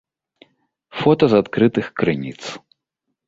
Фота з адкрытых крыніц.